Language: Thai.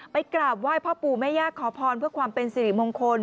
กราบไหว้พ่อปู่แม่ย่าขอพรเพื่อความเป็นสิริมงคล